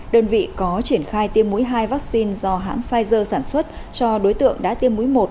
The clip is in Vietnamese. đơn vị có triển khai tiêm mũi hai vaccine do hãng pfizer sản xuất cho đối tượng đã tiêm mũi một